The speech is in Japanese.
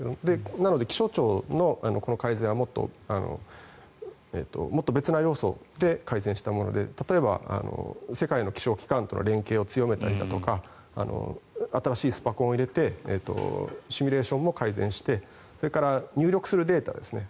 なので、気象庁のこの改善はもっと別な要素で改善したもので例えば世界の気象機関との連携を強めたりだとか新しいスパコンを入れてシミュレーションも改善してそれから入力するデータですね。